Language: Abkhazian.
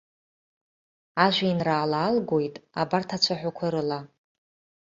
Ажәеинраала алгоит абарҭ ацәаҳәақәа рыла.